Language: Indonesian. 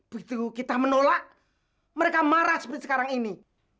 begitu kita menolak mereka marah seperti sekarang ini